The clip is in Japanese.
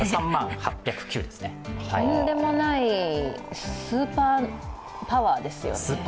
とんでもない、スーパーパワーですよね。